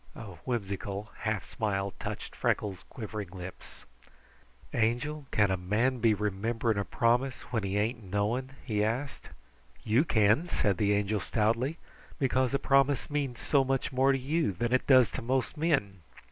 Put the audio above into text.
A whimsical half smile touched Freckles' quivering lips. "Angel, can a man be remembering a promise when he ain't knowing?" he asked. "You can," said the Angel stoutly, "because a promise means so much more to you than it does to most men."